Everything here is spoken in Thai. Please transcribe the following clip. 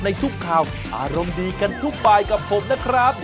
ทุกข่าวอารมณ์ดีกันทุกบายกับผมนะครับ